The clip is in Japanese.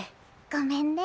ごめんね。